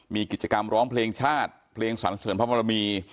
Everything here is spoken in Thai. มีกิจกรรมร้องเพลงชาติเพลงสรรเสริมพระบรมี